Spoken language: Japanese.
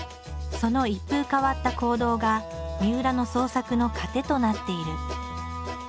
その一風変わった行動がみうらの創作の糧となっている。